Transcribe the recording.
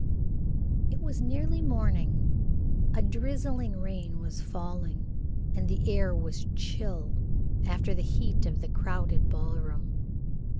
It was nearly morning. A drizzling rain was falling, and the air was chill after the heat of the crowded ballroom.